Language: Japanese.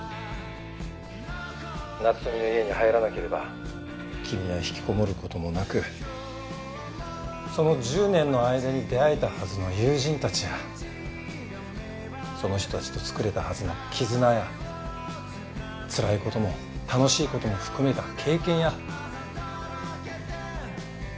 夏富の家に入らなければ君は引きこもる事もなくその１０年の間に出会えたはずの友人たちやその人たちと作れたはずの絆やつらい事も楽しい事も含めた経験や。